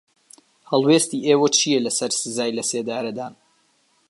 هەڵوێستی ئێوە چییە لەسەر سزای لەسێدارەدان؟